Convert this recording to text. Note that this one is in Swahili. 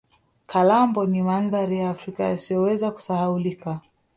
kalambo ni mandhari ya africa yasiyoweza kusahaulika